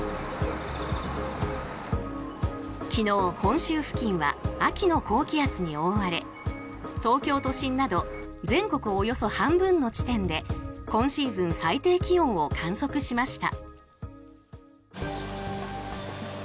昨日、本州付近は秋の高気圧に覆われ東京都心など全国およそ半分の地点で今シーズン最低気温を観測しました。